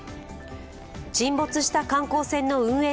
沈没した観光船の運営